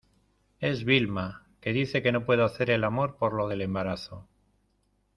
es Vilma, que dice que no puede hacer el amor por lo del embarazo.